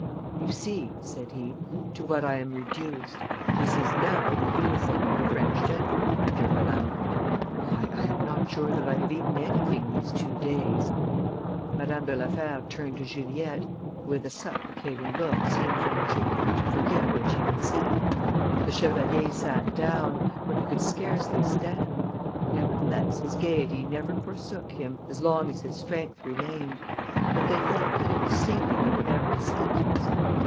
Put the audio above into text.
"You see," said he, "to what I am reduced. This is now the uniform of a French gentleman, my dear Madame. Why I am not sure that I have eaten anything these two days." Madame de la Fère turned to Juliette, who with a supplicating look seemed to entreat her to forget what she had said. The chevalier sat down, for he could scarcely stand; nevertheless his gaiety never forsook him, as long as his strength remained; but they felt that it was sinking with every sentence.